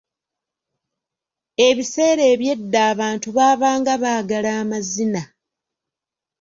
Ebiseera eby’edda abantu baabanga baagala amazina.